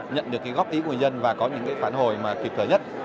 nhận được cái góp ý của người dân và có những phản hồi kịp thời nhất